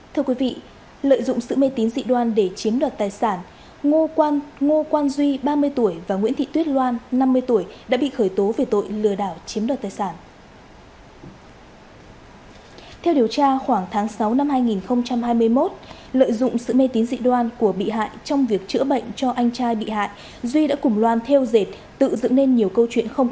thưa quý vị lợi dụng sự mê tín dị đoan để chiếm đoạt tài sản ngô quang duy ba mươi tuổi và nguyễn thị tuyết loan năm mươi tuổi đã bị khởi tố về tội lừa đảo chiếm đoạt tài sản